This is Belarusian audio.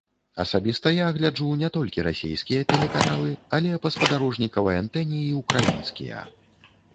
Асабіста я гляджу не толькі расейскія тэлеканалы, але па спадарожнікавай антэне і ўкраінскія.